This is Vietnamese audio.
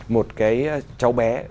một cái cháu bé